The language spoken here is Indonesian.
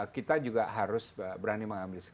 kita juga harus berani mengambil